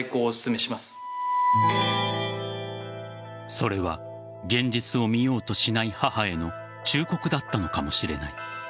それは現実を見ようとしない母への忠告だったのかもしれない。